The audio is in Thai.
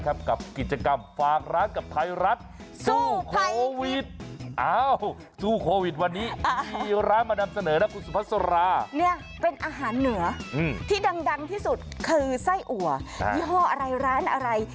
อ้ะคุณผู้ชมครับแน่นอนอยู่แล้วเราทำเป็นประจ่ำในทุกวิทยุทุกวันครับ